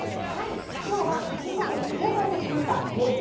今日は先ほどご紹介いたしました名物！